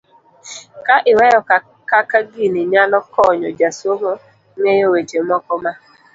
ka iweyo kaka gini nyalo konyo jasomo ng'eyo weche moko ma